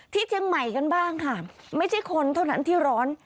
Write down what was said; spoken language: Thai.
ที่เชียงใหม่กันบ้างค่ะไม่ใช่คนเท่านั้นที่ร้อน